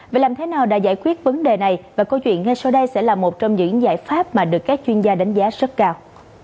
vậy làm thế nào đã giải quyết vấn đề này và câu chuyện ngay sau đây sẽ là một trong những giải pháp mà được các chuyên gia đánh giá rất cao